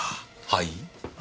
はい？